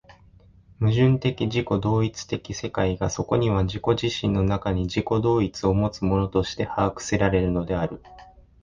矛盾的自己同一的世界がそこには自己自身の中に自己同一をもつものとして把握せられるのである。